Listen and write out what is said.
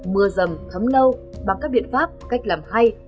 mưa rầm thấm lâu bằng các biện pháp cách làm hay